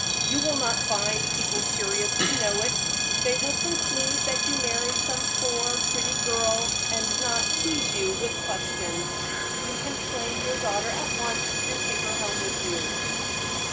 You will not find people curious to know it. They will conclude that you married some poor, pretty girl, and not tease you with questions. You can claim your daughter at once, and take her home with you."